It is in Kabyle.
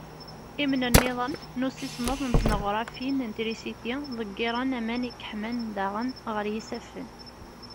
Imnenniḍen n ussismeḍ n tneɣrafin n trisiti, ḍeggiren aman i yeḥman daɣen ɣer yisaffen.